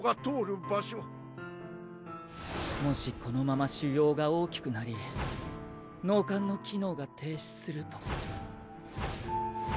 もしこのまま腫瘍が大きくなり脳幹の機能が停止すると。